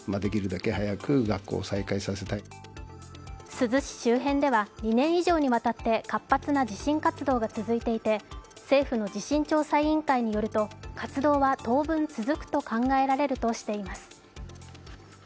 珠洲市周辺では２年以上にわたって活発な地震活動が続いていて政府の地震調査委員会によると活動は当分続くと考えられるとしています。